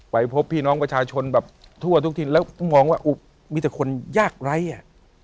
ไปพบพี่น้องประชาชนแบบทั่วทุกถิ่นแล้วมองว่ามีแต่คนยากไร้อ่ะ